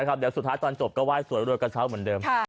เดี๋ยวสุดท้ายตอนจบก็ไห้สวยรวยกระเช้าเหมือนเดิม